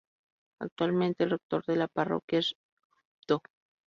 Actualmente el rector de la parroquia es Rvdo.